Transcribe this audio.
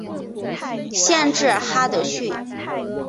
县治哈得逊。